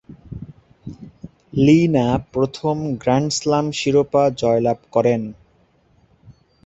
লি না প্রথম grand slam শিরোপা জয়লাভ করেন।